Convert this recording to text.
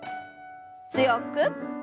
強く。